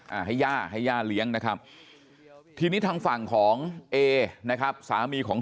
ให้ย่าให้ย่าเลี้ยงนะครับทีนี้ทางฝั่งของเอนะครับสามีของ